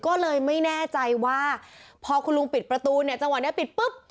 ก็เลยไม่แน่ใจว่าพอคุณลุงปิดประตูเนี่ยจังหวะนี้ปิดปุ๊บ